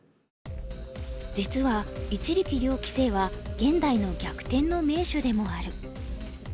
実は一力遼棋聖は現代の逆転の名手でもある。